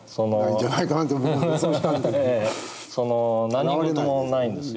何事もないんですよ。